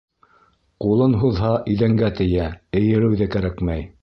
Ҡулын һуҙһа, иҙәнгә тейә, эйелеү ҙә кәрәкмәй...